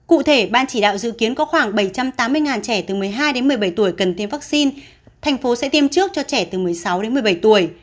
cụ thể ban chỉ đạo dự kiến có khoảng bảy trăm tám mươi trẻ từ một mươi hai đến một mươi bảy tuổi cần tiêm vaccine thành phố sẽ tiêm trước cho trẻ từ một mươi sáu đến một mươi bảy tuổi